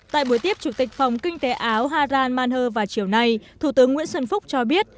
tại buổi tiếp chủ tịch phòng kinh tế áo haran manher vào chiều nay thủ tướng nguyễn xuân phúc cho biết